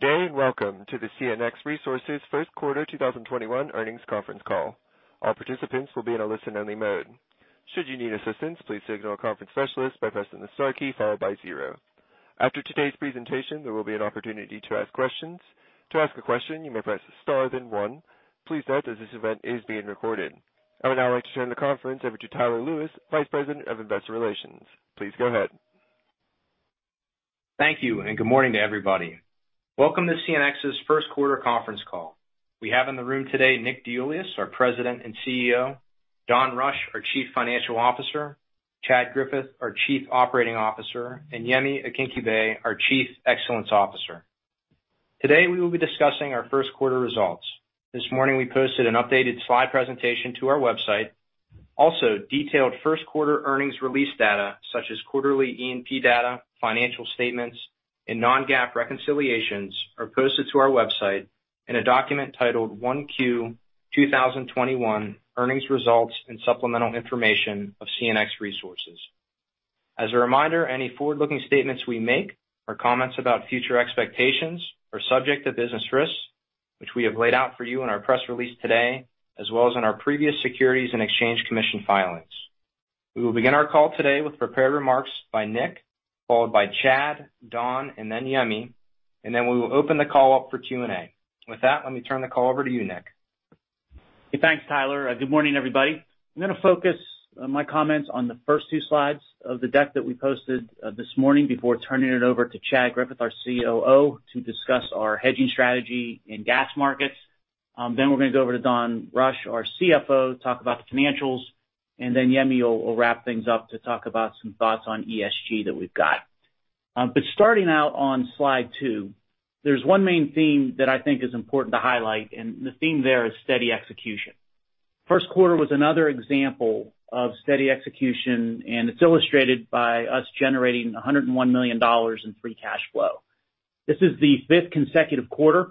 Good day. Welcome to the CNX Resources first quarter 2021 earnings conference call. All participants will be in a listen-only mode. After today's presentation, there will be an opportunity to ask questions. Please note that this event is being recorded. I would now like to turn the conference over to Tyler Lewis, Vice President of Investor Relations. Please go ahead. Thank you. Good morning to everybody. Welcome to CNX's first quarter conference call. We have in the room today Nick DeIuliis, our President and CEO; Don Rush, our Chief Financial Officer; Chad Griffith, our Chief Operating Officer; and Yemi Akinkugbe, our Chief Excellence Officer. Today, we will be discussing our first quarter results. This morning, we posted an updated slide presentation to our website. Detailed first quarter earnings release data such as quarterly E&P data, financial statements, and non-GAAP reconciliations are posted to our website in a document titled Q1 2021 Earnings Results and Supplemental Information of CNX Resources. As a reminder, any forward-looking statements we make or comments about future expectations are subject to business risks, which we have laid out for you in our press release today, as well as in our previous Securities and Exchange Commission filings. We will begin our call today with prepared remarks by Nick, followed by Chad, Don, and then Yemi, and then we will open the call up for Q&A. With that, let me turn the call over to you, Nick. Thanks, Tyler, and good morning, everybody. I'm gonna focus my comments on the first two slides of the deck that we posted this morning before turning it over to Chad, our Chief Operating Officer, to discuss our hedging strategy in gas markets. We're gonna go over to Don Rush, our Chief Financial Officer, to talk about the financials. Yemi will wrap things up to talk about some thoughts on ESG that we've got. Starting out on slide two, there's one main theme that I think is important to highlight, and the theme there is steady execution. First quarter was another example of steady execution, and it's illustrated by us generating $101 million in free cash flow. This is the fifth consecutive quarter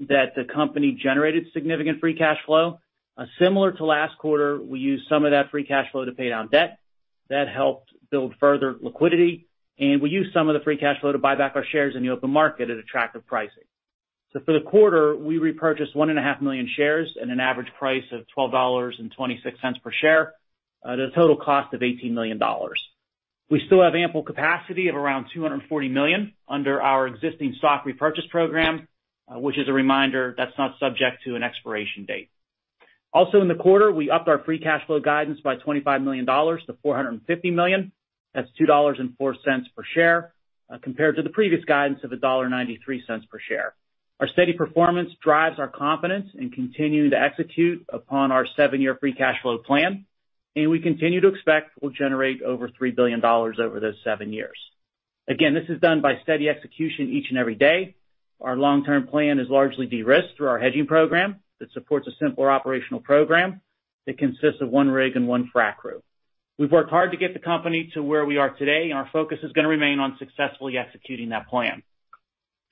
that the company generated significant free cash flow. Similar to last quarter, we used some of that free cash flow to pay down debt. That helped build further liquidity, and we used some of the free cash flow to buy back our shares in the open market at attractive pricing. For the quarter, we repurchased 1.5 million shares at an average price of $12.26 per share, at a total cost of $18 million. We still have ample capacity of around $240 million under our existing stock repurchase program, which as a reminder, that's not subject to an expiration date. Also in the quarter, we upped our free cash flow guidance by $25 million-$450 million. That's $2.04 per share, compared to the previous guidance of $1.93 per share. Our steady performance drives our confidence in continuing to execute upon our seven-year free cash flow plan, and we continue to expect we'll generate over $3 billion over those seven years. Again, this is done by steady execution each and every day. Our long-term plan is largely de-risked through our hedging program that supports a simpler operational program that consists of one rig and one frac crew. We've worked hard to get the company to where we are today, and our focus is gonna remain on successfully executing that plan.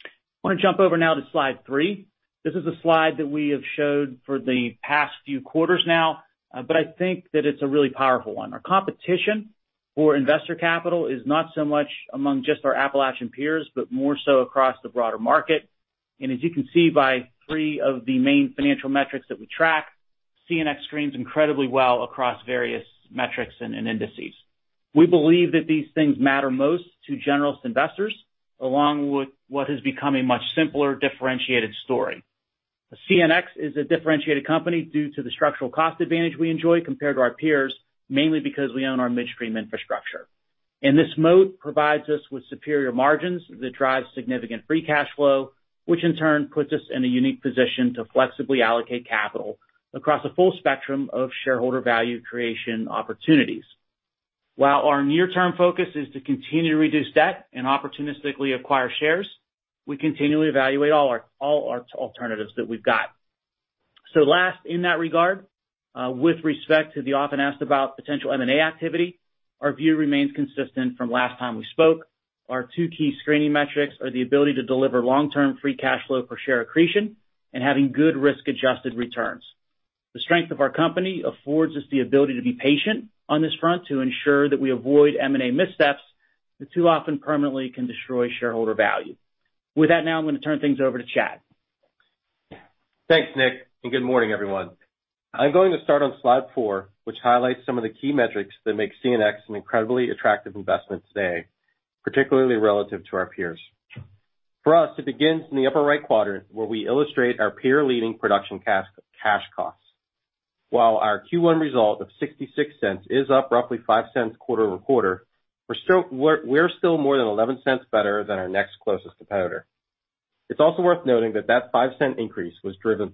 I wanna jump over now to slide three. This is a slide that we have showed for the past few quarters now, but I think that it's a really powerful one. Our competition for investor capital is not so much among just our Appalachian peers, but more so across the broader market. As you can see by three of the main financial metrics that we track, CNX screens incredibly well across various metrics and indices. We believe that these things matter most to generalist investors, along with what has become a much simpler, differentiated story. CNX is a differentiated company due to the structural cost advantage we enjoy compared to our peers, mainly because we own our midstream infrastructure. This moat provides us with superior margins that drive significant free cash flow, which in turn puts us in a unique position to flexibly allocate capital across a full spectrum of shareholder value creation opportunities. While our near-term focus is to continue to reduce debt and opportunistically acquire shares, we continually evaluate all our alternatives that we've got. Last, in that regard, with respect to the often asked about potential M&A activity, our view remains consistent from last time we spoke. Our two key screening metrics are the ability to deliver long-term free cash flow per share accretion and having good risk-adjusted returns. The strength of our company affords us the ability to be patient on this front to ensure that we avoid M&A missteps that too often permanently can destroy shareholder value. With that, now I'm gonna turn things over to Chad. Thanks, Nick. Good morning, everyone. I'm going to start on slide four, which highlights some of the key metrics that make CNX an incredibly attractive investment today, particularly relative to our peers. For us, it begins in the upper right quadrant, where we illustrate our peer-leading production cash costs. While our Q1 result of $0.66 is up roughly $0.05 quarter-over-quarter, we're still more than $0.11 better than our next closest competitor. It's also worth noting that that $0.05 increase was driven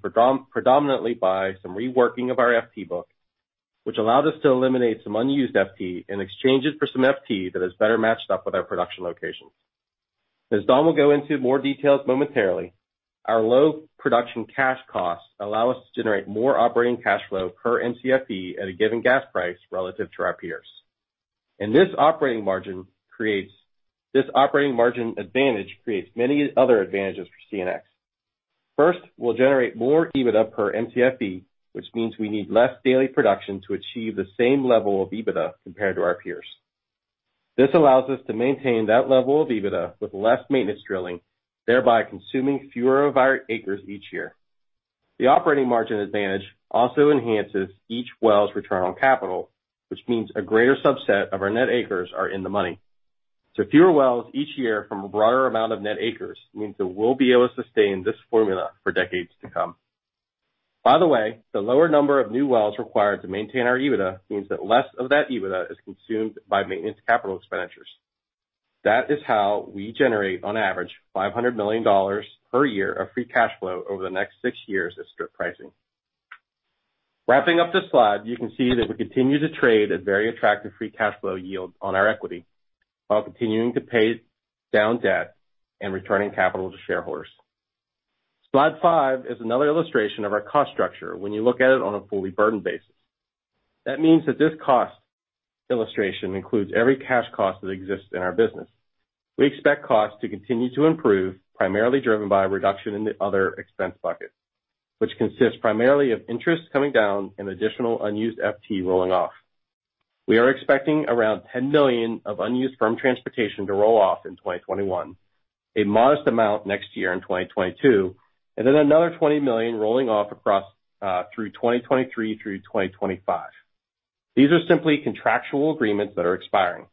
predominantly by some reworking of our FT book, which allowed us to eliminate some unused FT and exchange it for some FT that is better matched up with our production locations. As Don will go into more details momentarily, our low production cash costs allow us to generate more operating cash flow per Mcfe at a given gas price relative to our peers. This operating margin advantage creates many other advantages for CNX. First, we'll generate more EBITDA per Mcfe, which means we need less daily production to achieve the same level of EBITDA compared to our peers. This allows us to maintain that level of EBITDA with less maintenance drilling, thereby consuming fewer of our acres each year. The operating margin advantage also enhances each well's return on capital, which means a greater subset of our net acres are in the money. Fewer wells each year from a broader amount of net acres means that we'll be able to sustain this formula for decades to come. By the way, the lower number of new wells required to maintain our EBITDA means that less of that EBITDA is consumed by maintenance CapEx. That is how we generate, on average, $500 million per year of free cash flow over the next six years of strip pricing. Wrapping up this slide, you can see that we continue to trade at very attractive free cash flow yield on our equity while continuing to pay down debt and returning capital to shareholders. Slide five is another illustration of our cost structure when you look at it on a fully burdened basis. That means that this cost illustration includes every cash cost that exists in our business. We expect costs to continue to improve, primarily driven by a reduction in the other expense buckets, which consists primarily of interest coming down and additional unused FT rolling off. We are expecting around 10 million of unused firm transportation to roll off in 2021, a modest amount next year in 2022, and then another 20 million rolling off across through 2023 through 2025. These are simply contractual agreements that are expiring.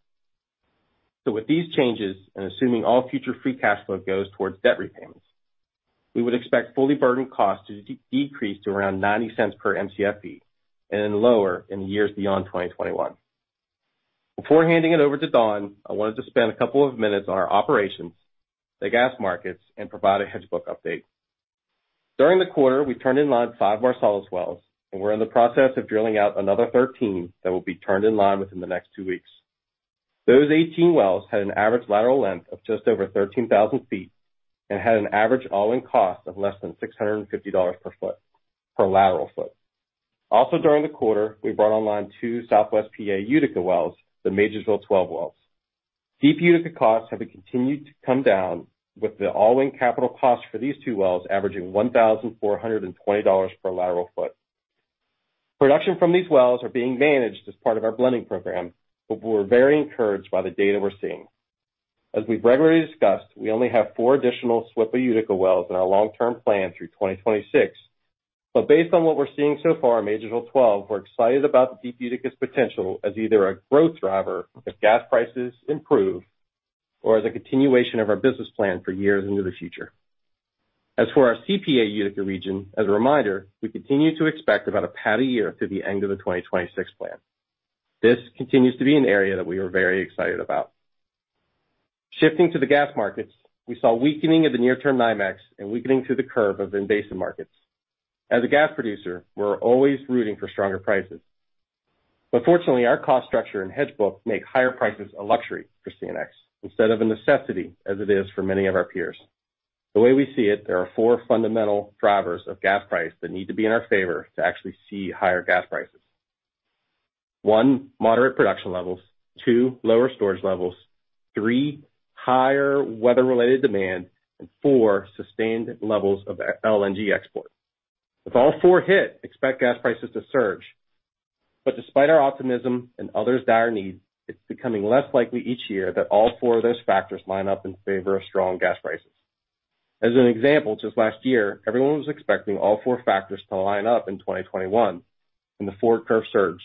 With these changes, and assuming all future free cash flow goes towards debt repayments, we would expect fully burdened costs to decrease to around $0.90 per Mcfe and then lower in the years beyond 2021. Before handing it over to Don, I wanted to spend a couple of minutes on our operations, the gas markets, and provide a hedge book update. During the quarter, we turned in line five Marcellus wells, and we're in the process of drilling out another 13 that will be turned in line within the next two weeks. Those 18 wells had an average lateral length of just over 13,000 feet and had an average all-in cost of less than $650 per foot, per lateral foot. During the quarter, we brought online two SWPA Utica wells, the Majorsville 12 wells. Deep Utica costs have continued to come down with the all-in capital cost for these two wells averaging $1,420 per lateral foot. Production from these wells are being managed as part of our blending program. We're very encouraged by the data we're seeing. As we've regularly discussed, we only have four additional SWPA Utica wells in our long-term plan through 2026. Based on what we're seeing so far at Majorsville 12, we're excited about the Deep Utica's potential as either a growth driver if gas prices improve or as a continuation of our business plan for years into the future. As for our CPA Utica region, as a reminder, we continue to expect about a pad a year through the end of the 2026 plan. This continues to be an area that we are very excited about. Shifting to the gas markets, we saw weakening of the near-term NYMEX and weakening to the curve of the basin markets. As a gas producer, we're always rooting for stronger prices. Fortunately, our cost structure and hedge book make higher prices a luxury for CNX instead of a necessity as it is for many of our peers. The way we see it, there are four fundamental drivers of gas price that need to be in our favor to actually see higher gas prices. One, moderate production levels. Two, lower storage levels. Three, higher weather-related demand, and four, sustained levels of LNG exports. If all four hit, expect gas prices to surge. Despite our optimism and others' dire need, it's becoming less likely each year that all four of those factors line up in favor of strong gas prices. As an example, just last year, everyone was expecting all four factors to line up in 2021. The forward curve surged.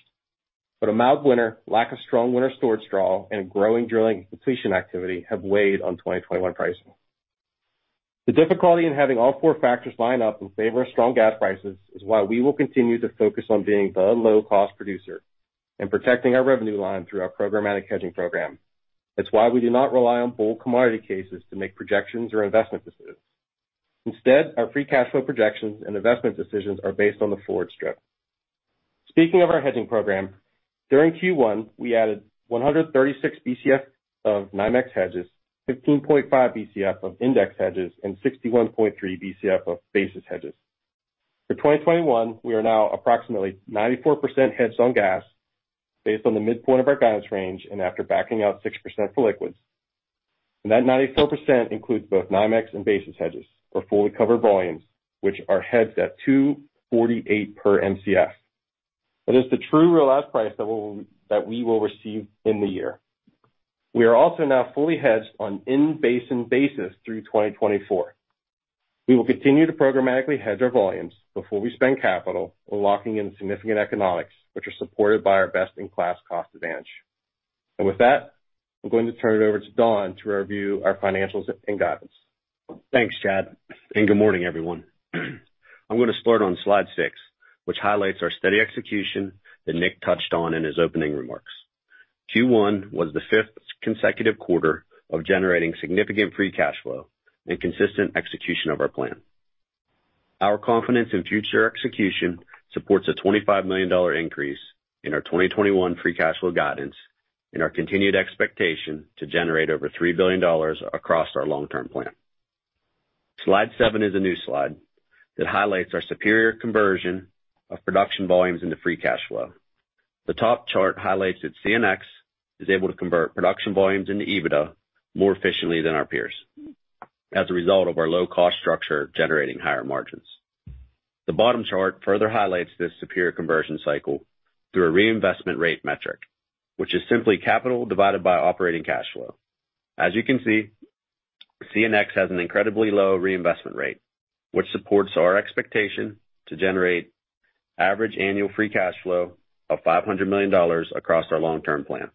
A mild winter, lack of strong winter storage draw, and growing drilling completion activity have weighed on 2021 pricing. The difficulty in having all four factors line up in favor of strong gas prices is why we will continue to focus on being the low-cost producer and protecting our revenue line through our programmatic hedging program. That's why we do not rely on bold commodity cases to make projections or investment decisions. Instead, our free cash flow projections and investment decisions are based on the forward strip. Speaking of our hedging program, during Q1, we added 136 Bcf of NYMEX hedges, 15.5 Bcf of index hedges, and 61.3 Bcf of basis hedges. For 2021, we are now approximately 94% hedged on gas based on the midpoint of our guidance range and after backing out 6% for liquids. That 94% includes both NYMEX and basis hedges for fully covered volumes, which are hedged at $2.48 per Mcf. That is the true realized price that we will receive in the year. We are also now fully hedged on in-basin basis through 2024. We will continue to programmatically hedge our volumes before we spend capital on locking in significant economics, which are supported by our best-in-class cost advantage. With that, I'm going to turn it over to Don to review our financials and guidance. Thanks, Chad, and good morning, everyone. I'm gonna start on slide six, which highlights our steady execution that Nick touched on in his opening remarks. Q1 was the fifth consecutive quarter of generating significant free cash flow and consistent execution of our plan. Our confidence in future execution supports a $25 million increase in our 2021 free cash flow guidance and our continued expectation to generate over $3 billion across our long-term plan. Slide seven is a new slide that highlights our superior conversion of production volumes into free cash flow. The top chart highlights that CNX is able to convert production volumes into EBITDA more efficiently than our peers as a result of our low-cost structure generating higher margins. The bottom chart further highlights this superior conversion cycle through a reinvestment rate metric, which is simply capital divided by operating cash flow. As you can see, CNX has an incredibly low reinvestment rate, which supports our expectation to generate average annual free cash flow of $500 million across our long-term plan.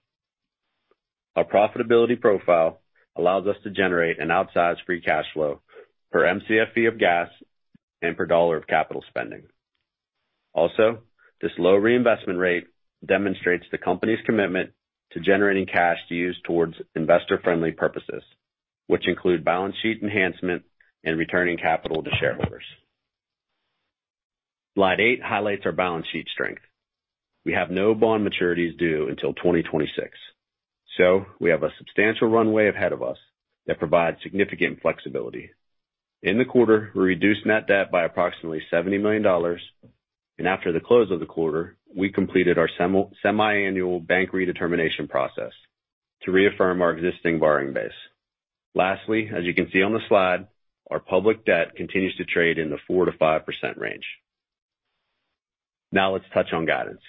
Our profitability profile allows us to generate an outsized free cash flow per Mcf of gas and per dollar of capital spending. Also, this low reinvestment rate demonstrates the company's commitment to generating cash to use towards investor-friendly purposes, which include balance sheet enhancement and returning capital to shareholders. Slide eight highlights our balance sheet strength. We have no bond maturities due until 2026, so we have a substantial runway ahead of us that provides significant flexibility. In the quarter, we reduced net debt by approximately $70 million, and after the close of the quarter, we completed our semi-annual bank redetermination process to reaffirm our existing borrowing base. Lastly, as you can see on the slide, our public debt continues to trade in the 4%-5% range. Now let's touch on guidance.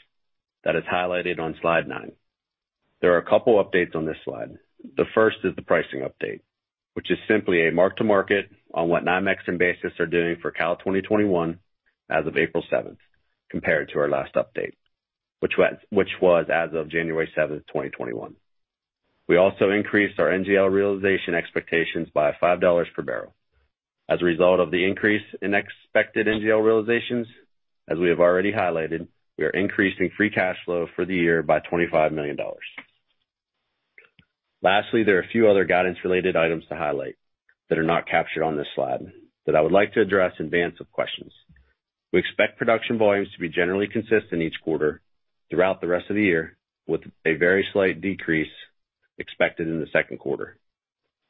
That is highlighted on slide nine. There are a couple updates on this slide. The first is the pricing update, which is simply a mark to market on what NYMEX and basis are doing for CAL 2021 as of April 7th, compared to our last update, which was as of January 7th, 2021. We also increased our NGL realization expectations by $5 per barrel. As a result of the increase in expected NGL realizations, as we have already highlighted, we are increasing free cash flow for the year by $25 million. Lastly, there are a few other guidance-related items to highlight that are not captured on this slide that I would like to address in advance of questions. We expect production volumes to be generally consistent each quarter throughout the rest of the year, with a very slight decrease expected in the second quarter.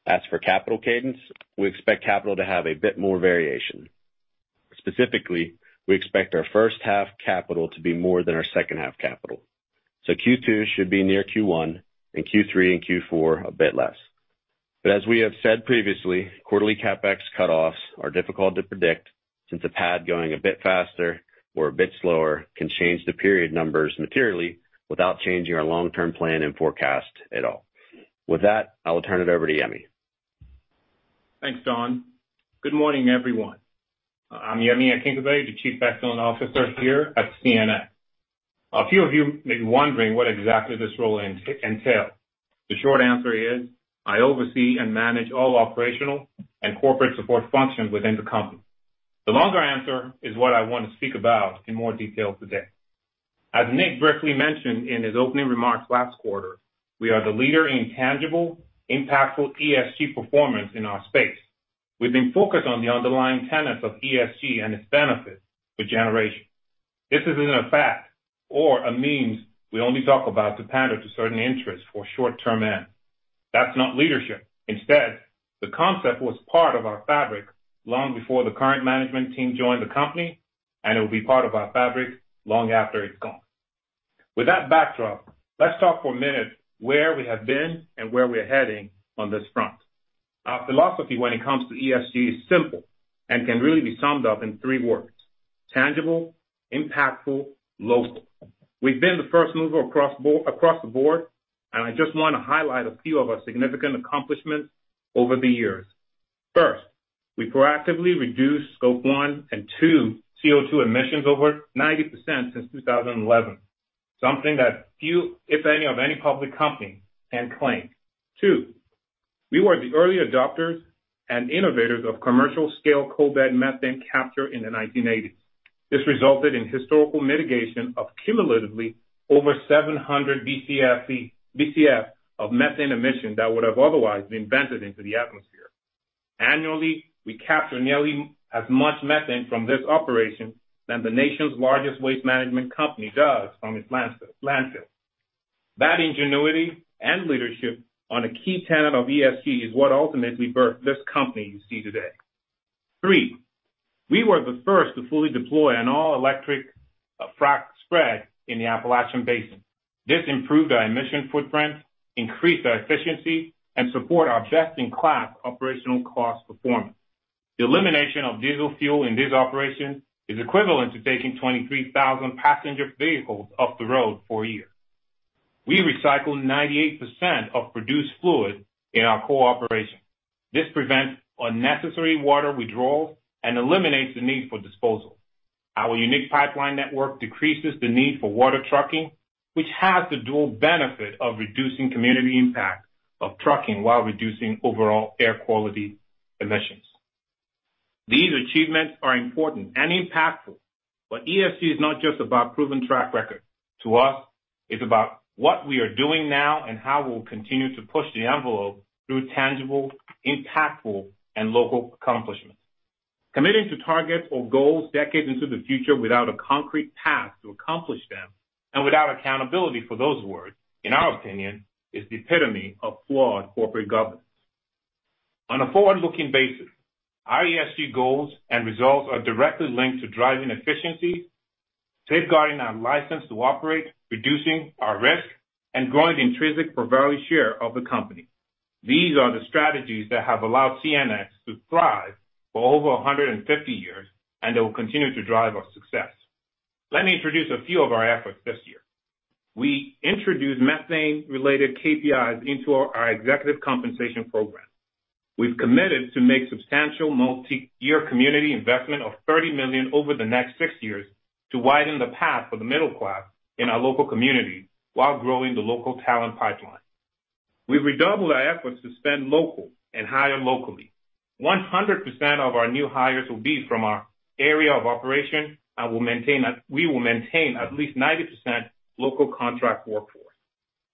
As for capital cadence, we expect capital to have a bit more variation. Specifically, we expect our first half capital to be more than our second half capital. Q2 should be near Q1, and Q3 and Q4 a bit less. As we have said previously, quarterly CapEx cutoffs are difficult to predict since a pad going a bit faster or a bit slower can change the period numbers materially without changing our long-term plan and forecast at all. With that, I will turn it over to Yemi. Thanks, Don. Good morning, everyone. I'm Yemi Akinkugbe, the Chief Excellence Officer here at CNX. A few of you may be wondering what exactly this role entails. The short answer is I oversee and manage all operational and corporate support functions within the company. The longer answer is what I want to speak about in more detail today. As Nick briefly mentioned in his opening remarks last quarter, we are the leader in tangible, impactful ESG performance in our space. We've been focused on the underlying tenets of ESG and its benefits for generations. This isn't a fact or a means we only talk about to pander to certain interests for short-term ends. That's not leadership. Instead, the concept was part of our fabric long before the current management team joined the company, and it will be part of our fabric long after it's gone. With that backdrop, let's talk for a minute where we have been and where we're heading on this front. Our philosophy when it comes to ESG is simple and can really be summed up in three words: tangible, impactful, local. We've been the first mover across the board, and I just want to highlight a few of our significant accomplishments over the years. First, we proactively reduced Scope one and two CO2 emissions over 90% since 2011, something that few, if any, of any public company can claim. Two, we were the early adopters and innovators of commercial-scale coalbed methane capture in the 1980s. This resulted in historical mitigation of cumulatively over 700 Bcf of methane emissions that would have otherwise been vented into the atmosphere. Annually, we capture nearly as much methane from this operation than the nation's largest waste management company does from its landfill. That ingenuity and leadership on a key tenet of ESG is what ultimately birthed this company you see today. Three, we were the first to fully deploy an all-electric frac spread in the Appalachian Basin. This improved our emission footprint, increased our efficiency, and support our best-in-class operational cost performance. The elimination of diesel fuel in this operation is equivalent to taking 23,000 passenger vehicles off the road for a year. We recycle 98% of produced fluid in our core operations. This prevents unnecessary water withdrawal and eliminates the need for disposal. Our unique pipeline network decreases the need for water trucking, which has the dual benefit of reducing community impact of trucking while reducing overall air quality emissions. These achievements are important and impactful, but ESG is not just about proven track record. To us, it's about what we are doing now and how we'll continue to push the envelope through tangible, impactful, and local accomplishments. Committing to targets or goals decades into the future without a concrete path to accomplish them and without accountability for those words, in our opinion, is the epitome of flawed corporate governance. On a forward-looking basis, our ESG goals and results are directly linked to driving efficiency, safeguarding our license to operate, reducing our risk, and growing the intrinsic per value share of the company. These are the strategies that have allowed CNX to thrive for over 150 years, and they will continue to drive our success. Let me introduce a few of our efforts this year. We introduced methane-related KPIs into our executive compensation program. We've committed to make substantial multi-year community investment of $30 million over the next six years to widen the path for the middle class in our local community while growing the local talent pipeline. We've redoubled our efforts to spend local and hire locally. 100% of our new hires will be from our area of operation. We will maintain at least 90% local contract workforce.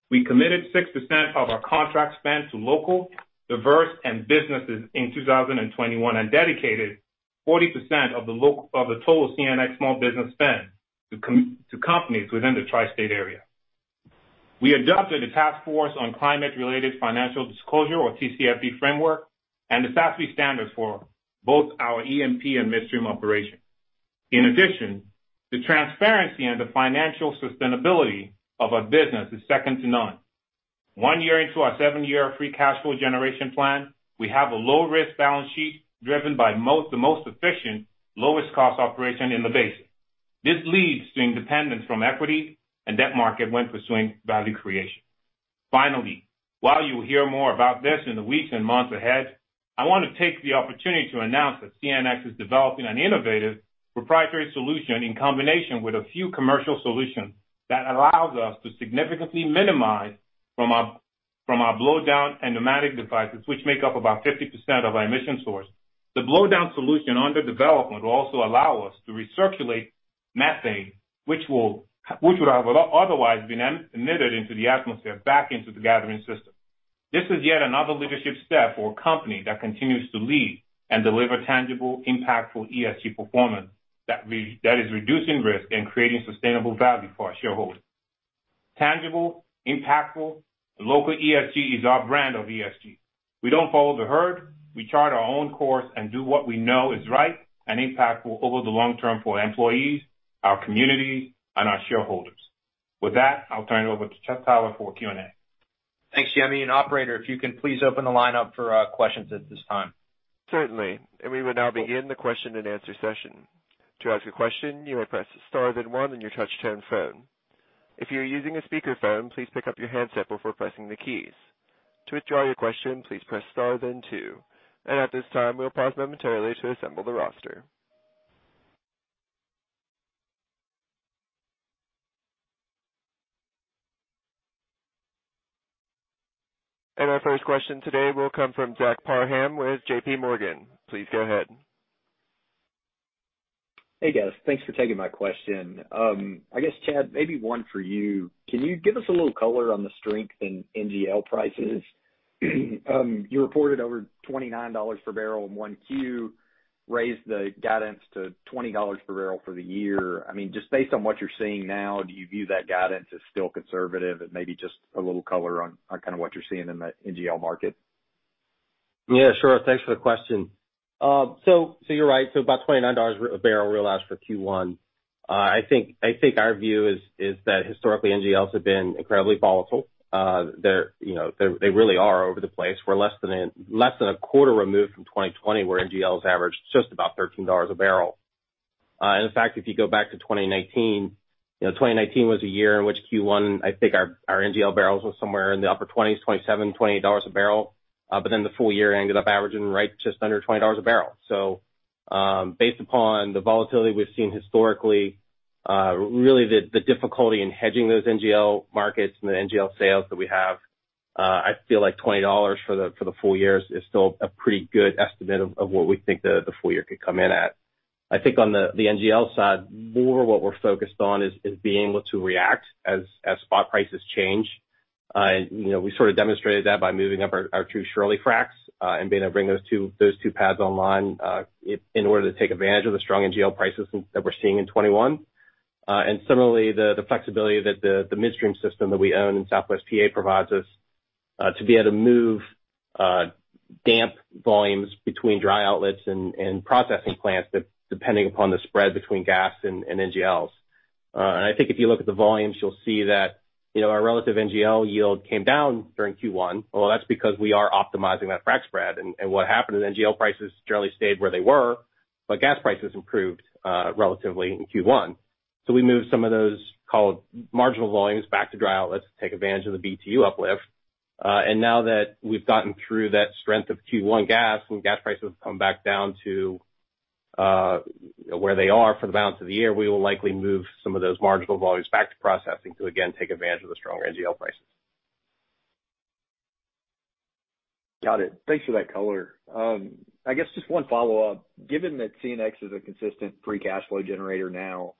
We committed 6% of our contract spend to local, diverse, and businesses in 2021 and dedicated 40% of the total CNX small business spend to companies within the tri-state area. We adopted a task force on climate-related financial disclosure, or TCFD framework, and the SASB standards for both our E&P and midstream operations. The transparency and the financial sustainability of our business is second to none. One year into our seven-year free cash flow generation plan, we have a low-risk balance sheet driven by the most efficient, lowest cost operation in the basin. This leads to independence from equity and debt market when pursuing value creation. Finally, while you will hear more about this in the weeks and months ahead, I want to take the opportunity to announce that CNX is developing an innovative proprietary solution in combination with a few commercial solutions that allows us to significantly minimize from our blowdown and pneumatic devices, which make up about 50% of our emission source. The blowdown solution under development will also allow us to recirculate methane, which would have otherwise been emitted into the atmosphere back into the gathering system. This is yet another leadership step for a company that continues to lead and deliver tangible, impactful ESG performance that is reducing risk and creating sustainable value for our shareholders. Tangible, impactful, and local ESG is our brand of ESG. We don't follow the herd. We chart our own course and do what we know is right and impactful over the long term for our employees, our communities, and our shareholders. With that, I'll turn it over to Chad, Tyler for Q&A. Thanks, Yemi. Operator, if you can please open the line up for questions at this time. Certainly. We will now begin the question-and-answer session. Our first question today will come from Zach Parham with JPMorgan. Please go ahead. Hey, guys. Thanks for taking my question. I guess, Chad, maybe one for you. Can you give us a little color on the strength in NGL prices? You reported over $29 per barrel in 1Q, raised the guidance to $20 per barrel for the year. Just based on what you're seeing now, do you view that guidance as still conservative and maybe just a little color on kind of what you're seeing in the NGL market? Yeah, sure. Thanks for the question. You're right. About $29 a barrel realized for Q1. I think our view is that historically, NGLs have been incredibly volatile. They really are over the place. We're less than a quarter removed from 2020, where NGLs averaged just about $13 a barrel. In fact, if you go back to 2019 was a year in which Q1, I think our NGL barrels was somewhere in the upper 20s, $27, $28 a barrel. The full year ended up averaging right just under $20 a barrel. Based upon the volatility we've seen historically, really the difficulty in hedging those NGL markets and the NGL sales that we have, I feel like $20 for the full year is still a pretty good estimate of what we think the full year could come in at. I think on the NGL side, more what we're focused on is being able to react as spot prices change. We sort of demonstrated that by moving up our two Shirley fracs and being able to bring those two pads online in order to take advantage of the strong NGL prices that we're seeing in 2021. Similarly, the flexibility that the midstream system that we own in SWPA provides us to be able to move wet volumes between dry outlets and processing plants depending upon the spread between gas and NGLs. I think if you look at the volumes, you'll see that our relative NGL yield came down during Q1. Well, that's because we are optimizing that frac spread. What happened is NGL prices generally stayed where they were, but gas prices improved relatively in Q1. We moved some of those called marginal volumes back to dry outlets to take advantage of the BTU uplift. Now that we've gotten through that strength of Q1 gas and gas prices have come back down to where they are for the balance of the year, we will likely move some of those marginal volumes back to processing to again take advantage of the strong NGL prices. Got it. Thanks for that color. I guess just one follow-up. Given that CNX is a consistent free cash flow generator now,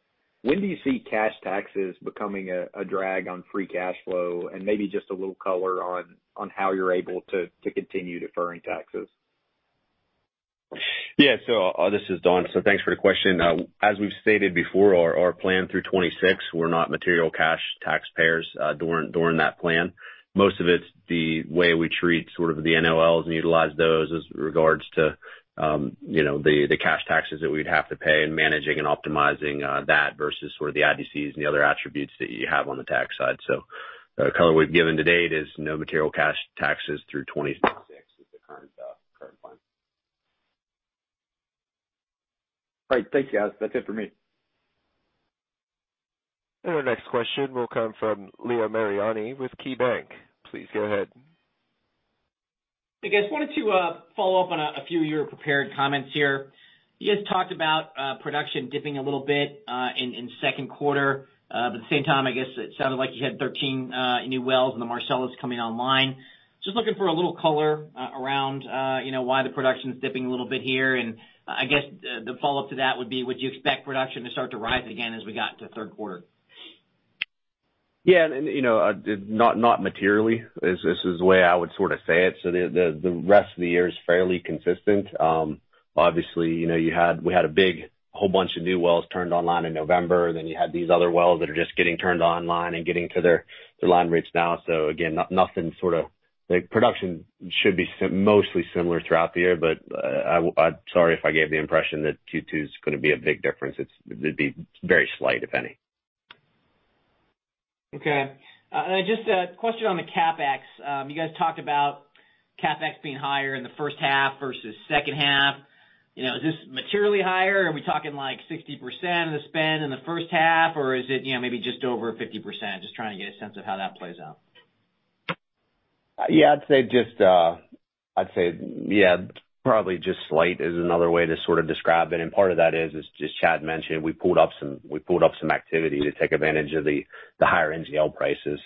when do you see cash taxes becoming a drag on free cash flow? Maybe just a little color on how you're able to continue deferring taxes. Yeah. This is Don. Thanks for the question. As we've stated before, our plan through 2026, we're not material cash taxpayers during that plan. Most of it's the way we treat sort of the NOLs and utilize those as regards to the cash taxes that we'd have to pay and managing and optimizing that versus sort of the IDCs and the other attributes that you have on the tax side. The color awe've given to date is no material cash taxes through 2026 is the current plan. Great. Thank you. That's it for me. Our next question will come from Leo Mariani with KeyBanc. Please go ahead. Hey, guys. Wanted to follow up on a few of your prepared comments here. You guys talked about production dipping a little bit in second quarter. At the same time, I guess it sounded like you had 13 new wells in the Marcellus coming online. Just looking for a little color around why the production's dipping a little bit here. I guess the follow-up to that would be, would you expect production to start to rise again as we get into the third quarter? Yeah. Not materially, is the way I would say it. The rest of the year is fairly consistent. Obviously, we had a big whole bunch of new wells turned online in November, then you had these other wells that are just getting turned online and getting to their line rates now. Again, production should be mostly similar throughout the year. Sorry if I gave the impression that Q2 is going to be a big difference. It'd be very slight, if any. Okay. Just a question on the CapEx. You guys talked about CapEx being higher in the first half versus second half. Is this materially higher? Are we talking 60% of the spend in the first half, or is it maybe just over 50%? Just trying to get a sense of how that plays out. Yeah, I'd say probably just slight is another way to describe it. Part of that is, as Chad mentioned, we pulled up some activity to take advantage of the higher NGL prices.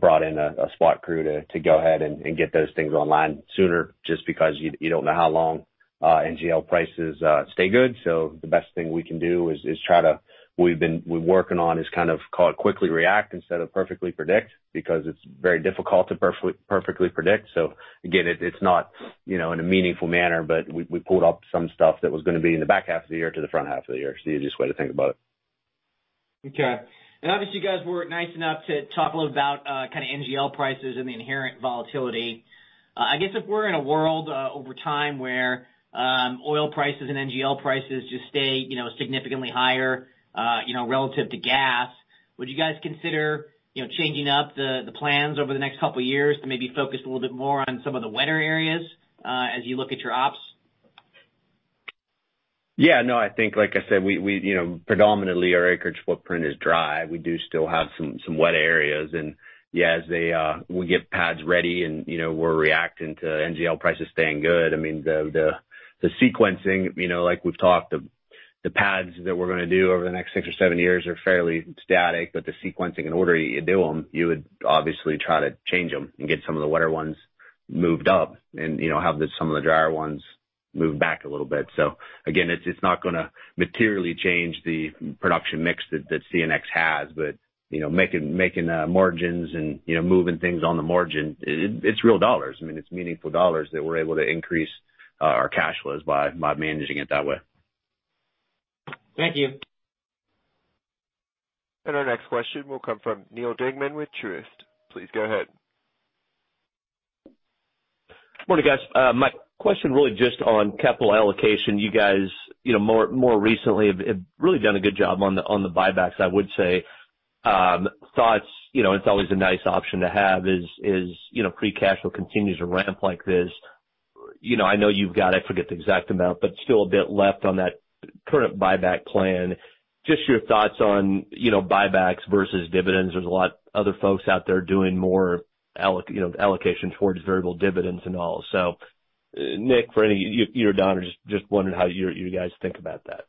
Brought in a spot crew to go ahead and get those things online sooner, just because you don't know how long NGL prices stay good. The best thing we can do is we're working on is call it quickly react instead of perfectly predict, because it's very difficult to perfectly predict. Again, it's not in a meaningful manner, but we pulled up some stuff that was going to be in the back half of the year to the front half of the year, is the easiest way to think about it. Okay. Obviously, you guys were nice enough to talk a little about NGL prices and the inherent volatility. I guess if we're in a world over time where oil prices and NGL prices just stay significantly higher relative to gas, would you guys consider changing up the plans over the next couple of years to maybe focus a little bit more on some of the wetter areas as you look at your ops? Yeah, no, I think, like I said, predominantly our acreage footprint is dry. We do still have some wet areas. Yeah, as we get pads ready and we're reacting to NGL prices staying good. I mean, the sequencing, like we've talked, the pads that we're going to do over the next six or seven years are fairly static, the sequencing and order you do them, you would obviously try to change them and get some of the wetter ones moved up and have some of the drier ones move back a little bit. Again, it's not going to materially change the production mix that CNX has. Making margins and moving things on the margin, it's real dollars. It's meaningful dollars that we're able to increase our cash flows by managing it that way. Thank you. Our next question will come from Neal Dingmann with Truist. Please go ahead. Morning, guys. My question really just on capital allocation. You guys more recently have really done a good job on the buybacks, I would say. Thoughts, it's always a nice option to have is, free cash flow continues to ramp like this. I know you've got, I forget the exact amount, but still a bit left on that current buyback plan. Just your thoughts on buybacks versus dividends. There's a lot other folks out there doing more allocation towards variable dividends and all. Nick, for you or Don Rush, I was just wondering how you guys think about that.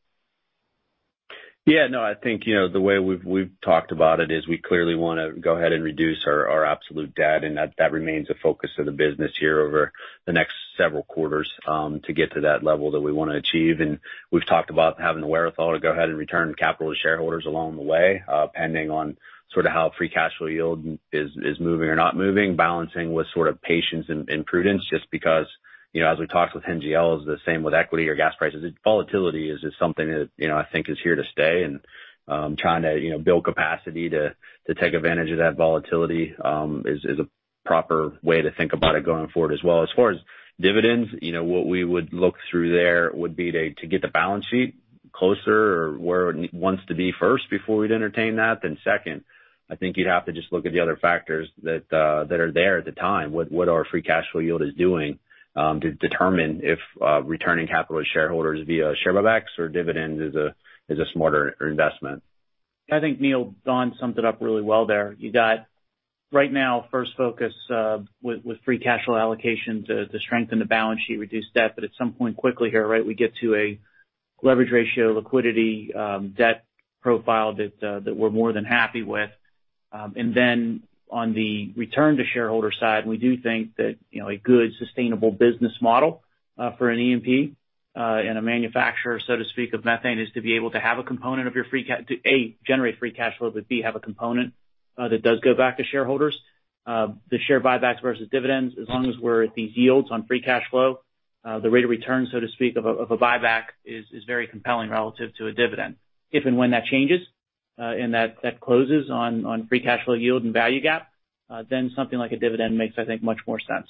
No, I think the way we've talked about it is we clearly want to go ahead and reduce our absolute debt, and that remains a focus of the business here over the next several quarters to get to that level that we want to achieve. We've talked about having the wherewithal to go ahead and return capital to shareholders along the way, pending on how free cash flow yield is moving or not moving, balancing with patience and prudence, just because as we talked with NGLs, the same with equity or gas prices. Volatility is just something that I think is here to stay and trying to build capacity to take advantage of that volatility is a proper way to think about it going forward as well. As far as dividends, what we would look through there would be to get the balance sheet closer or where it wants to be first before we'd entertain that. Second, I think you'd have to just look at the other factors that are there at the time. What our free cash flow yield is doing to determine if returning capital to shareholders via share buybacks or dividends is a smarter investment. I think, Neal, Don summed it up really well there. You got right now, first focus with free cash flow allocation to strengthen the balance sheet, reduce debt. At some point quickly here, we get to a leverage ratio liquidity debt profile that we're more than happy with. On the return to shareholder side, we do think that a good sustainable business model for an E&P and a manufacturer, so to speak, of methane is to be able to have a component of your A, generate free cash flow, but B, have a component that does go back to shareholders. The share buybacks versus dividends, as long as we're at these yields on free cash flow, the rate of return, so to speak, of a buyback is very compelling relative to a dividend. If and when that changes and that closes on free cash flow yield and value gap, then something like a dividend makes, I think, much more sense.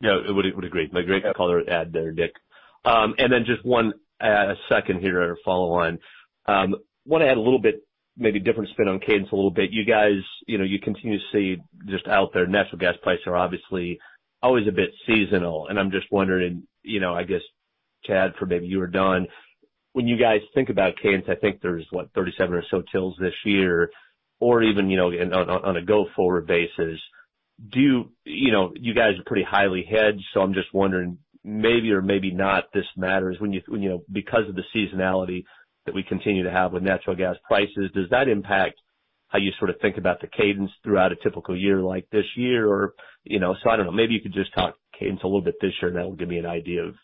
Yeah, I would agree. A great color add there, Nick. Just one second here or follow on. Want to add a little bit, maybe different spin on cadence a little bit. You guys, you continue to see just out there, natural gas prices are obviously always a bit seasonal, and I'm just wondering, I guess, Chad, for maybe you or Don, when you guys think about cadence, I think there's, what, 37 or so TILs this year, or even on a go-forward basis. You guys are pretty highly hedged, so I'm just wondering, maybe or maybe not, this matters. Because of the seasonality that we continue to have with natural gas prices, does that impact how you think about the cadence throughout a typical year like this year? I don't know, maybe you could just talk cadence a little bit this year, and that'll give me an idea of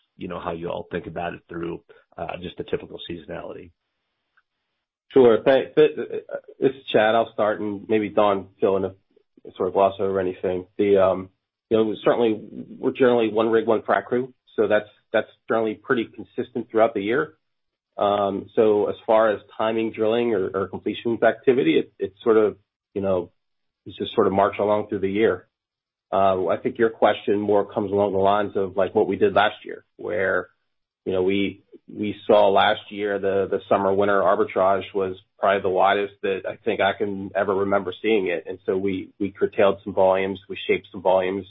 how you all think about it through, just the typical seasonality. Sure. This is Chad. I'll start, maybe Don fill in a sort of gloss over anything. Certainly, we're generally one rig, one frac crew, that's generally pretty consistent throughout the year. As far as timing drilling or completions activity, it's just sort of march along through the year. I think your question more comes along the lines of what we did last year, where we saw last year the summer-winter arbitrage was probably the widest that I think I can ever remember seeing it. We curtailed some volumes, we shaped some volumes,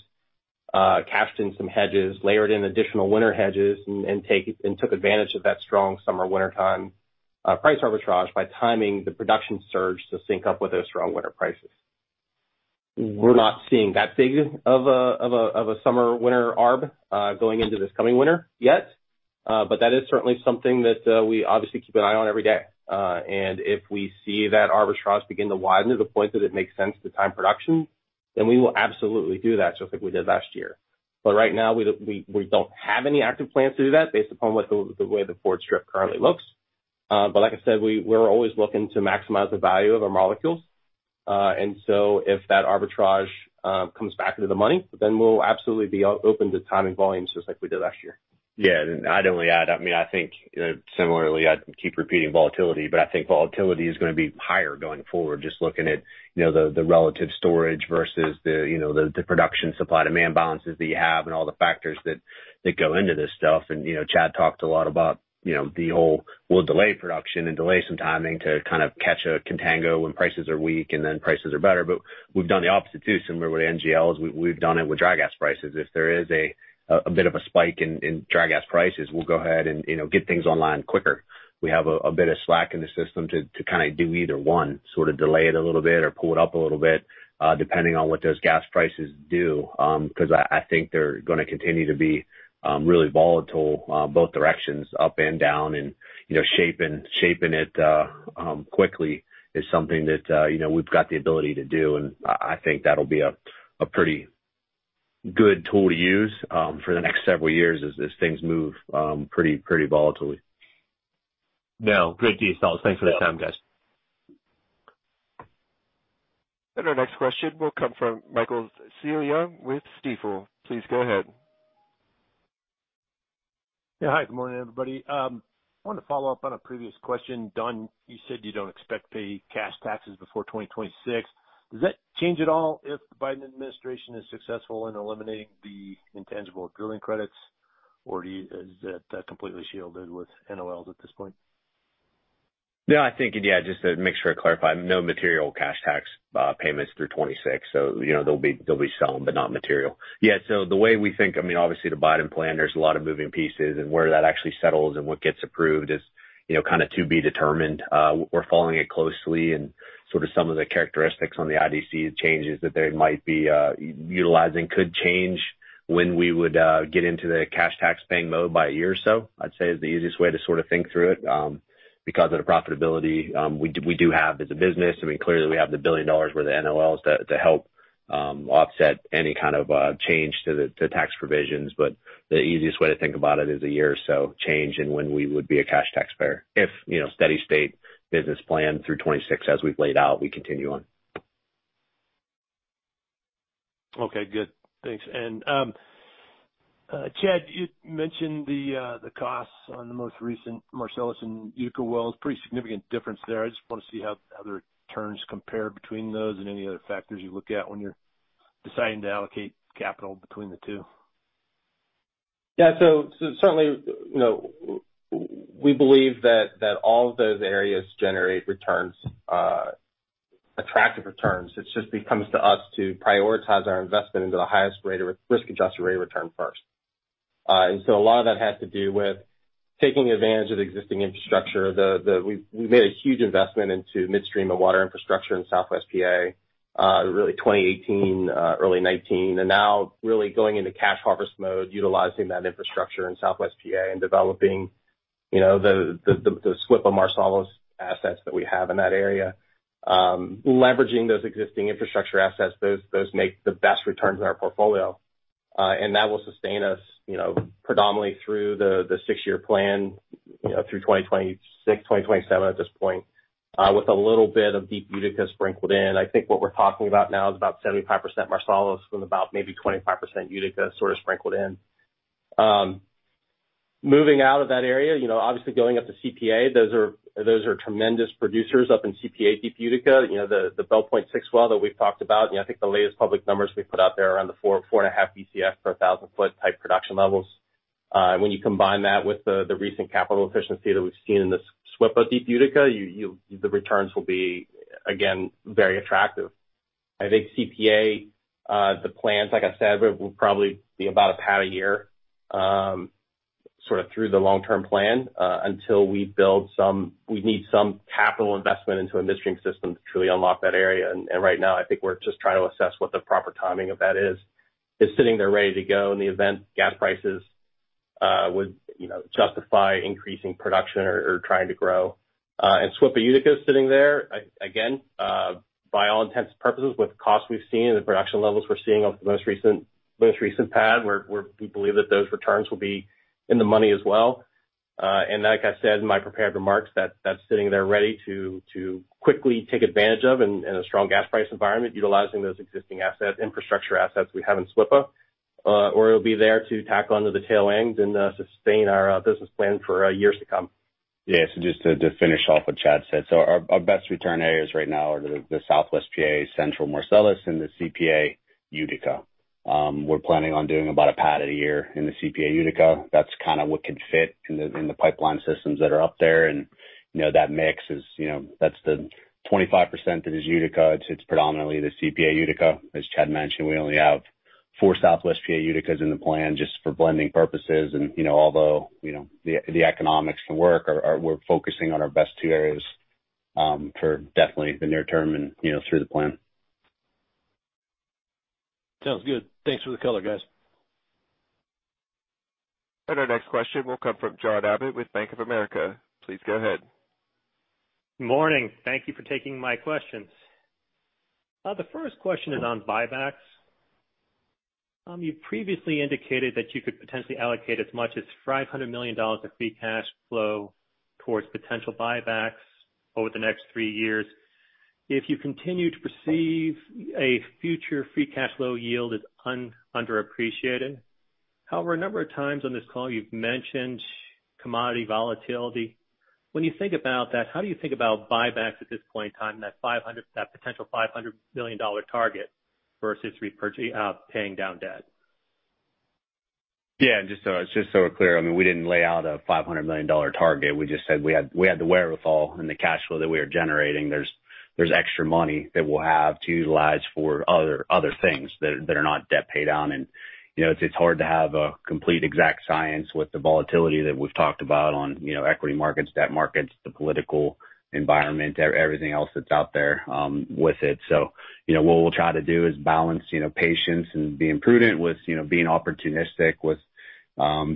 cashed in some hedges, layered in additional winter hedges, and took advantage of that strong summer-wintertime price arbitrage by timing the production surge to sync up with those strong winter prices. We're not seeing that big of a summer-winter arb going into this coming winter yet. That is certainly something that we obviously keep an eye on every day. If we see that arbitrage begin to widen to the point that it makes sense to time production, then we will absolutely do that just like we did last year. Right now, we don't have any active plans to do that based upon the way the forward strip currently looks. Like I said, we're always looking to maximize the value of our molecules. If that arbitrage comes back into the money, then we'll absolutely be open to timing volumes just like we did last year. Yeah. I'd only add, I think similarly, I keep repeating volatility, but I think volatility is going to be higher going forward, just looking at the relative storage versus the production supply-demand balances that you have and all the factors that go into this stuff. Chad talked a lot about the whole, we'll delay production and delay some timing to kind of catch a contango when prices are weak and then prices are better. We've done the opposite too, similar to what NGLs, we've done it with dry gas prices. If there is a bit of a spike in dry gas prices, we'll go ahead and get things online quicker. We have a bit of slack in the system to kind of do either one, sort of delay it a little bit or pull it up a little bit, depending on what those gas prices do. I think they're going to continue to be really volatile both directions, up and down, and shaping it quickly is something that we've got the ability to do, and I think that'll be a pretty good tool to use for the next several years as things move pretty volatility. No. Great insights. Thanks for the time, guys. Our next question will come from Michael Scialla with Stifel. Please go ahead. Hi, good morning, everybody. I wanted to follow up on a previous question. Don, you said you don't expect to pay cash taxes before 2026. Does that change at all if the Biden administration is successful in eliminating the intangible drilling costs, or is that completely shielded with NOLs at this point? Yeah, I think, just to make sure I clarify, no material cash tax payments through 2026. There'll be some, but not material. Yeah. The way we think, obviously, the Biden plan, there's a lot of moving pieces and where that actually settles and what gets approved is kind of to be determined. We're following it closely and some of the characteristics on the IDC changes that they might be utilizing could change when we would get into the cash tax paying mode by a year or so, I'd say, is the easiest way to think through it. Because of the profitability we do have as a business. Clearly, we have the $1 billion worth of NOLs to help offset any kind of change to tax provisions. The easiest way to think about it is a year or so change in when we would be a cash taxpayer if steady state business plan through 2026, as we've laid out, we continue on. Okay, good. Thanks. Chad, you mentioned the costs on the most recent Marcellus and Utica wells. Pretty significant difference there. I just want to see how their returns compare between those and any other factors you look at when you're deciding to allocate capital between the two. Yeah. Certainly, we believe that all of those areas generate returns, attractive returns. It just becomes to us to prioritize our investment into the highest risk-adjusted rate of return first. A lot of that has to do with taking advantage of the existing infrastructure. We made a huge investment into midstream and water infrastructure in Southwest PA, really 2018, early 2019, and now really going into cash harvest mode, utilizing that infrastructure in Southwest PA and developing the SWPA Marcellus assets that we have in that area. Leveraging those existing infrastructure assets, those make the best returns in our portfolio. That will sustain us predominantly through the six-year plan through 2026, 2027, at this point, with a little bit of Deep Utica sprinkled in. I think what we're talking about now is about 75% Marcellus with about maybe 25% Utica sort of sprinkled in. Moving out of that area, obviously going up to CPA, those are tremendous producers up in CPA Deep Utica. The Bell Point 6 well that we've talked about, I think the latest public numbers we put out there are around the four, 4.5 Bcf per 1,000 foot type production levels. When you combine that with the recent capital efficiency that we've seen in the SWPA Deep Utica, the returns will be, again, very attractive. I think CPA, the plans, like I said, will probably be about a pad a year, sort of through the long-term plan until We need some capital investment into a midstream system to truly unlock that area. And right now, I think we're just trying to assess what the proper timing of that is. It's sitting there ready to go in the event gas prices would justify increasing production or trying to grow. SWPA Utica is sitting there, again, by all intents and purposes, with the costs we've seen and the production levels we're seeing off the most recent pad, we believe that those returns will be in the money as well. Like I said in my prepared remarks, that's sitting there ready to quickly take advantage of in a strong gas price environment, utilizing those existing infrastructure assets we have in SWPA, or it'll be there to tackle into the tail end and sustain our business plan for years to come. Yeah. Just to finish off what Chad said. Our best return areas right now are the Southwest PA, Central Marcellus, and the CPA Utica. We're planning on doing about a pad at a year in the CPA Utica. That's what can fit in the pipeline systems that are up there. That mix is, that's the 25% that is Utica. It's predominantly the CPA Utica. As Chad mentioned, we only have four Southwest PA Uticas in the plan just for blending purposes. Although the economics can work, we're focusing on our best two areas for definitely the near term and through the plan. Sounds good. Thanks for the color, guys. Our next question will come from John Abbott with Bank of America. Please go ahead. Morning. Thank you for taking my questions. The first question is on buybacks. You previously indicated that you could potentially allocate as much as $500 million of free cash flow towards potential buybacks over the next three years if you continue to perceive a future free cash flow yield as underappreciated. However, a number of times on this call, you've mentioned commodity volatility. When you think about that, how do you think about buybacks at this point in time, that potential $500 million target versus paying down debt? Yeah. Just so we're clear, we didn't lay out a $500 million target. We just said we had the wherewithal and the cash flow that we are generating. There's extra money that we'll have to utilize for other things that are not debt pay down. It's hard to have a complete exact science with the volatility that we've talked about on equity markets, debt markets, the political environment, everything else that's out there with it. What we'll try to do is balance patience and being prudent with being opportunistic with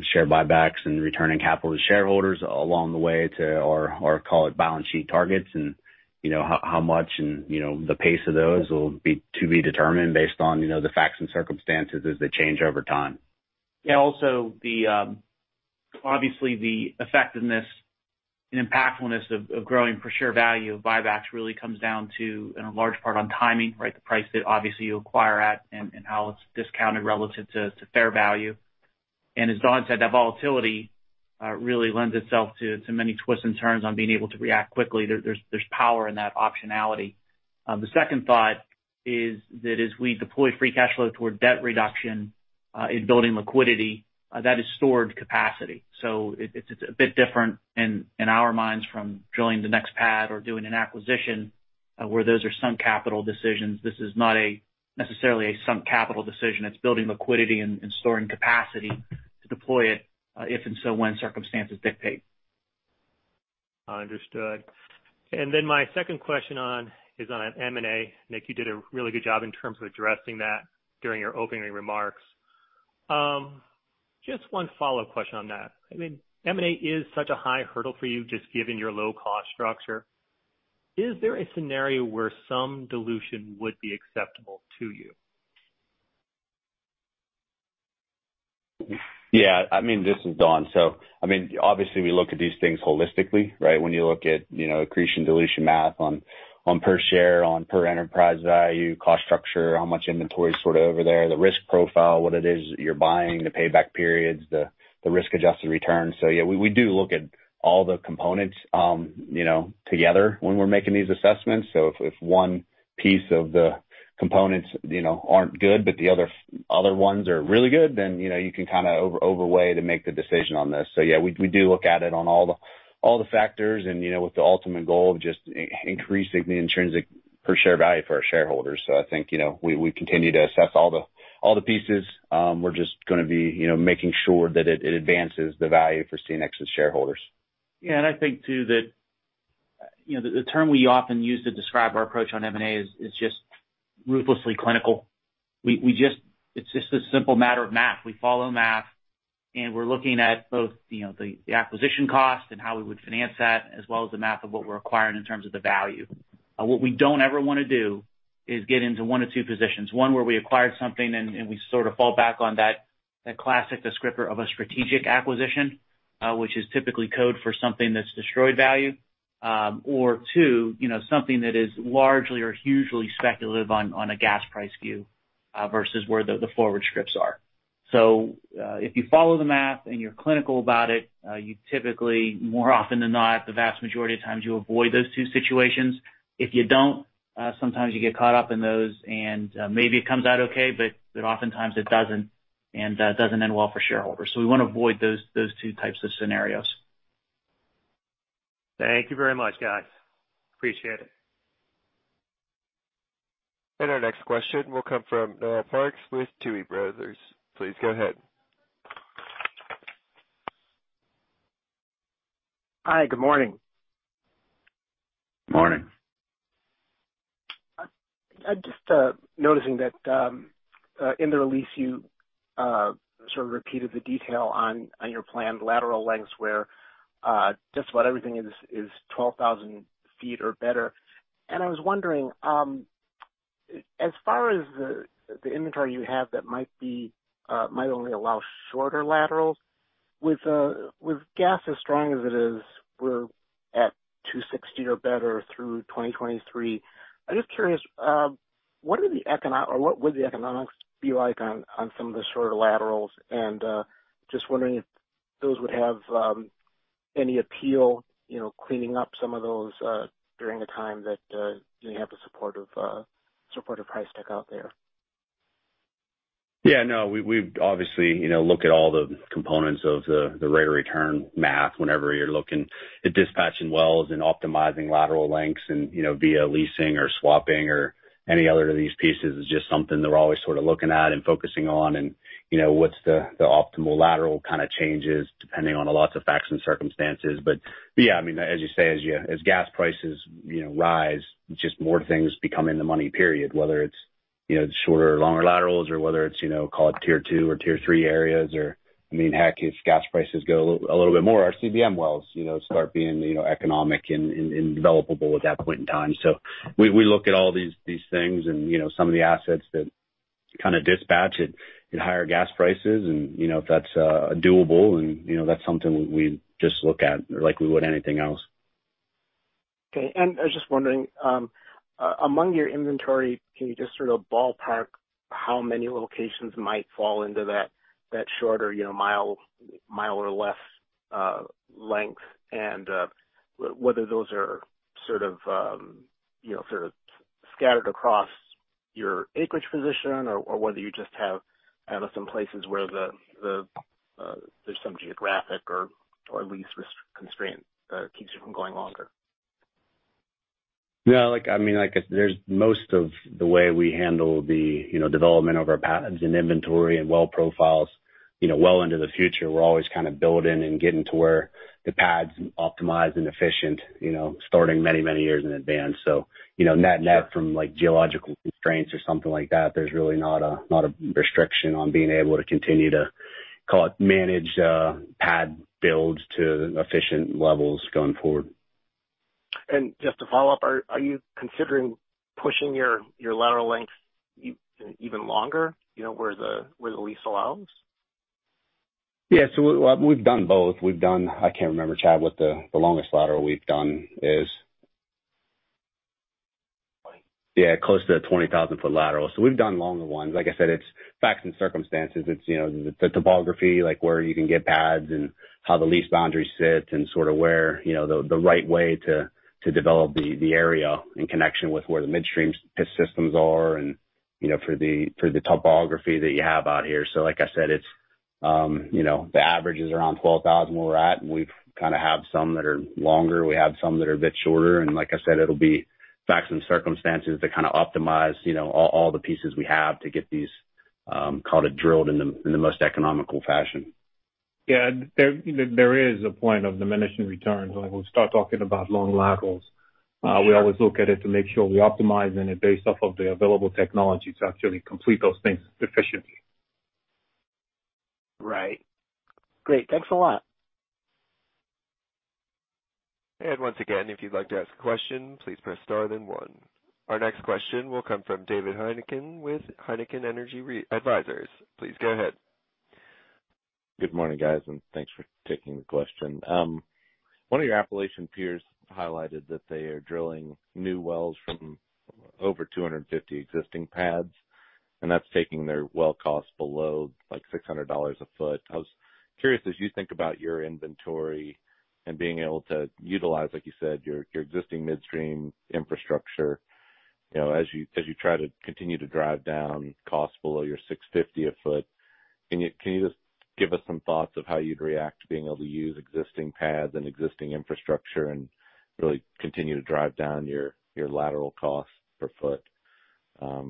share buybacks and returning capital to shareholders along the way to our, call it, balance sheet targets. How much and the pace of those will be to be determined based on the facts and circumstances as they change over time. Yeah. Also, obviously, the effectiveness and impactfulness of growing per share value of buybacks really comes down to, in a large part, on timing, right? The price that obviously you acquire at and how it's discounted relative to fair value. As Don said, that volatility really lends itself to many twists and turns on being able to react quickly. There's power in that optionality. The second thought is that as we deploy free cash flow toward debt reduction in building liquidity, that is stored capacity. It's a bit different in our minds from drilling the next pad or doing an acquisition, where those are sunk capital decisions. This is not necessarily a sunk capital decision. It's building liquidity and storing capacity to deploy it, if and so when circumstances dictate. Understood. My second question is on M&A. Nick, you did a really good job in terms of addressing that during your opening remarks. Just one follow-up question on that. M&A is such a high hurdle for you, just given your low cost structure. Is there a scenario where some dilution would be acceptable to you? Yeah. This is Don. Obviously, we look at these things holistically, right? When you look at accretion, dilution math on per share, on per enterprise value, cost structure, how much inventory is sort of over there, the risk profile, what it is you're buying, the payback periods, the risk-adjusted returns. Yeah, we do look at all the components together when we're making these assessments. If one piece of the components aren't good, but the other ones are really good, then you can kind of overweight and make the decision on this. Yeah, we do look at it on all the factors and with the ultimate goal of just increasing the intrinsic per share value for our shareholders. I think we continue to assess all the pieces. We're just going to be making sure that it advances the value for CNX's shareholders. Yeah. I think, too, that the term we often use to describe our approach on M&A is just ruthlessly clinical. It's just a simple matter of math. We follow math, and we're looking at both the acquisition cost and how we would finance that, as well as the math of what we're acquiring in terms of the value. What we don't ever want to do is get into one of two positions. One, where we acquire something, and we sort of fall back on that classic descriptor of a strategic acquisition, which is typically code for something that's destroyed value. Two, something that is largely or hugely speculative on a gas price view. Versus where the forward scripts are. If you follow the math and you're clinical about it, you typically, more often than not, the vast majority of times, you avoid those two situations. If you don't, sometimes you get caught up in those, and maybe it comes out okay, but oftentimes it doesn't and doesn't end well for shareholders. We want to avoid those two types of scenarios. Thank you very much, guys. Appreciate it. Our next question will come from Noel Parks with Tuohy Brothers. Please go ahead. Hi. Good morning. Morning. Just noticing that, in the release, you sort of repeated the detail on your planned lateral lengths, where just about everything is 12,000 feet or better. I was wondering, as far as the inventory you have that might only allow shorter laterals, with gas as strong as it is, we're at $2.60 or better through 2023. I'm just curious, what would the economics be like on some of the shorter laterals? Just wondering if those would have any appeal, cleaning up some of those during a time that you have a supportive price tick out there. Yeah. No, we've obviously looked at all the components of the rate of return math whenever you're looking at dispatching wells and optimizing lateral lengths and via leasing or swapping or any other of these pieces. It's just something that we're always sort of looking at and focusing on and what's the optimal lateral kind of changes depending on lots of facts and circumstances. Yeah, as you say, as gas prices rise, just more things become in the money, period, whether it's shorter or longer laterals or whether it's call it Tier 2 or Tier 3 areas or, heck, if gas prices go a little bit more, our CBM wells start being economic and developable at that point in time. We look at all these things and some of the assets that kind of dispatch at higher gas prices and if that's doable and that's something we just look at like we would anything else. Okay. I was just wondering, among your inventory, can you just sort of ballpark how many locations might fall into that shorter mile or less length, and whether those are sort of scattered across your acreage position or whether you just have some places where there's some geographic or lease constraint that keeps you from going longer? Yeah. Most of the way we handle the development of our pads and inventory and well profiles well into the future, we're always kind of building and getting to where the pad's optimized and efficient starting many, many years in advance. Net from geological constraints or something like that, there's really not a restriction on being able to continue to, call it, manage pad builds to efficient levels going forward. Just to follow up, are you considering pushing your lateral length even longer, where the lease allows? We've done both. We've done, I can't remember, Chad, what the longest lateral we've done is. Close to a 20,000 ft lateral. We've done longer ones. Like I said, it's facts and circumstances. It's the topography, like where you can get pads and how the lease boundary sits and sort of where the right way to develop the area in connection with where the midstream systems are, and for the topography that you have out here. Like I said, the average is around 12,000 where we're at, and we kind of have some that are longer. We have some that are a bit shorter, and like I said, it'll be facts and circumstances that kind of optimize all the pieces we have to get these, call it, drilled in the most economical fashion. Yeah. There is a point of diminishing returns when we start talking about long laterals. We always look at it to make sure we optimize in it based off of the available technology to actually complete those things efficiently. Right. Great. Thanks a lot. Once again, if you'd like to ask a question, please press star then one. Our next question will come from David Heikkinen with Heikkinen Energy Advisors. Please go ahead. Good morning, guys, and thanks for taking the question. One of your Appalachian peers highlighted that they are drilling new wells from over 250 existing pads, and that's taking their well cost below $600 a foot. I was curious, as you think about your inventory and being able to utilize, like you said, your existing midstream infrastructure as you try to continue to drive down costs below your $650 a foot, can you just give us some thoughts of how you'd react to being able to use existing pads and existing infrastructure and really continue to drive down your lateral costs per foot? Yeah.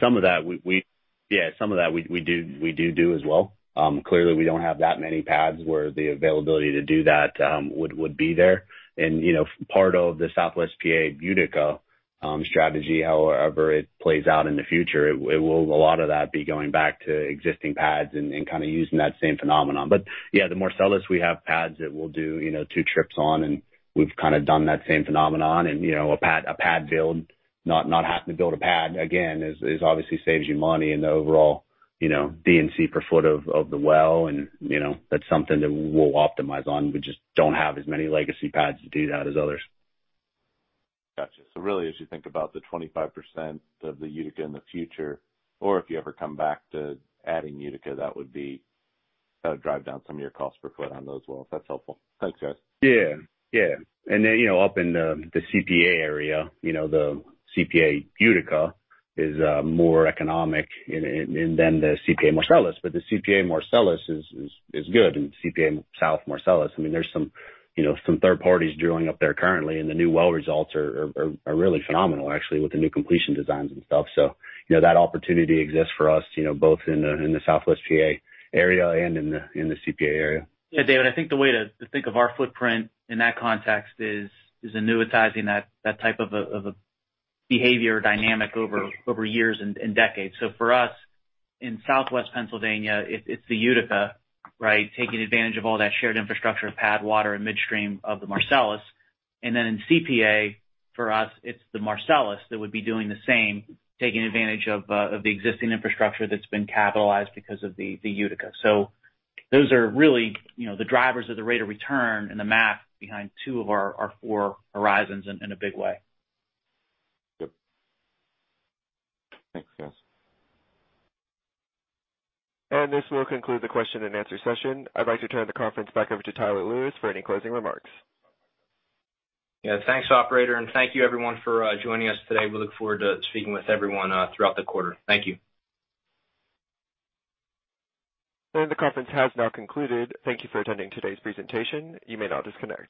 Some of that we do as well. Clearly, we don't have that many pads where the availability to do that would be there. Part of the SWPA Utica strategy, however it plays out in the future, a lot of that be going back to existing pads and kind of using that same phenomenon. Yeah, the Marcellus, we have pads that we'll do two trips on, and we've kind of done that same phenomenon. A pad build, not having to build a pad again, obviously saves you money in the overall D&C per foot of the well, and that's something that we'll optimize on. We just don't have as many legacy pads to do that as others. Got you. Really, as you think about the 25% of the Utica in the future, or if you ever come back to adding Utica, that would be how to drive down some of your cost per foot on those wells, if that's helpful. Thanks, guys. Yeah. Up in the CPA area, the CPA Utica is more economic than the CPA Marcellus. The CPA Marcellus is good, and CPA South Marcellus. There's some third parties drilling up there currently, and the new well results are really phenomenal, actually, with the new completion designs and stuff. That opportunity exists for us both in the Southwest PA area and in the CPA area. Yeah, David, I think the way to think of our footprint in that context is annuitizing that type of a behavior dynamic over years and decades. For us, in Southwest Pennsylvania, it's the Utica, right? Taking advantage of all that shared infrastructure of pad water and midstream of the Marcellus. In CPA, for us, it's the Marcellus that would be doing the same, taking advantage of the existing infrastructure that's been capitalized because of the Utica. Those are really the drivers of the rate of return and the math behind two of our four horizons in a big way. Yep. Thanks, guys. This will conclude the question-and-answer session. I'd like to turn the conference back over to Tyler Lewis for any closing remarks. Yeah. Thanks, operator, and thank you everyone for joining us today. We look forward to speaking with everyone throughout the quarter. Thank you. The conference has now concluded. Thank you for attending today's presentation. You may now disconnect.